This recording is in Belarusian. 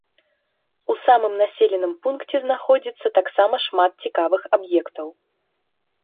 У самым населеным пункце знаходзіцца таксама шмат цікавых аб'ектаў.